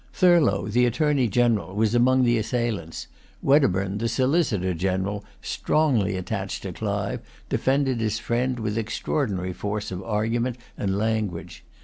Thurlow, the Attorney General, was among the assailants. Wedderburne, the Solicitor General, strongly attached to Clive, defended his friend with extraordinary force of argument and language.